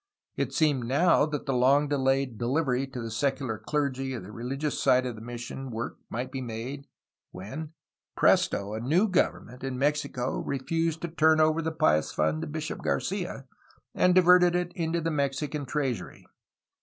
It seemed now that the long delayed delivery to the secular clergy of the religious side of mission work might be made, when — presto! — a new government 472^ A HISTORY OF CALIFORNIA in Mexico refused to turn over the Pious Fund to Bishop Garcia, and diverted it into the Mexican treasury.